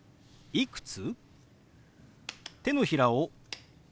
「いくつ？」。